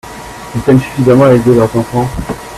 Ils peinent suffisamment à élever leurs enfants.